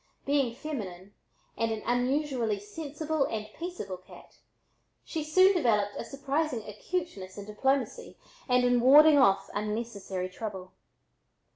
Being feminine and an unusually sensible and peaceable cat, she soon developed a surprising acuteness in diplomacy and in warding off unnecessary trouble.